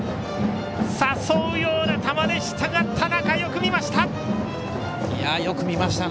誘うような球でしたが田中、よく見ました。